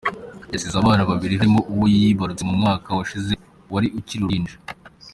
Yasize abana babiri barimo uwo yibarutse mu mwaka washize wari ukiri uruhinja.